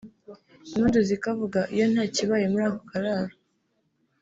Impundu zikavuga iyo ntakibaye muri ako kararo